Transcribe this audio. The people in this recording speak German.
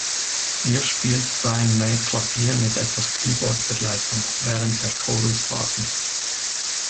Hier spielt Brian May Klavier mit etwas Keyboard-Begleitung während der Chorus-Phasen.